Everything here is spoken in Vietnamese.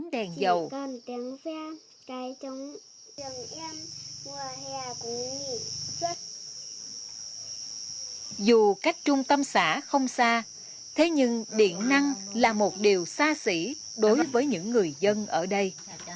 dù cách trung tâm xã không xa thế nhưng điện năng là một điều xa xỉ đối với những người dân ở đây